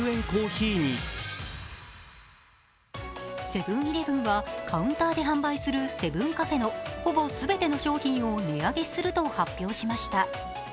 セブン−イレブンはカウンターで販売するセブンカフェのほぼ全ての商品を値上げすると発表しました。